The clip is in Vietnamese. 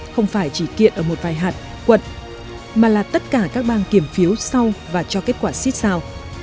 không phải chỉ kiện ở một vài hạt quận mà là tất cả các bang kiểm phiếu sau và cho kết quả xích sao